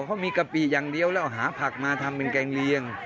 เขามีกะปิอย่างเดียวแล้วหาผักมาทำเป็นแกงเลียง